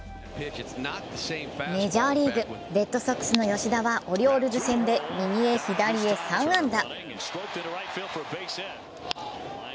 メジャーリーグ・レッドソックスの吉田はオリオールズ戦で、右へ左へ３安打。